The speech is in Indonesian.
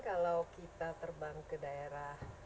kalau kita terbang ke daerah